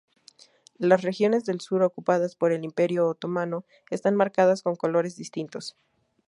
Las regiones del sur ocupadas por el imperio otomano están marcadas con colores distintos.